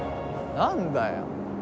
何だよ。